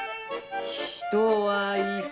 「人はいさ」。